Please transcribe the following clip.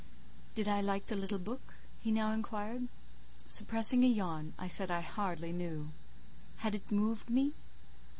"Did I like the little book?" he now inquired. Suppressing a yawn, I said I hardly knew. "Had it moved me?"